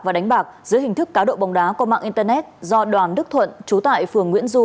và đánh bạc dưới hình thức cá độ bóng đá qua mạng internet do đoàn đức thuận trú tại phường nguyễn du